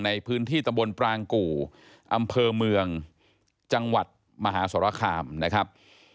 ในพื้นที่ตำบลปรางกู่อำเภอเมืองจังหวัดมหาสรคามนะครับ